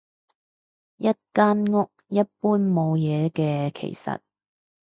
一間屋，一般冇嘢嘅其實